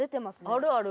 あるある。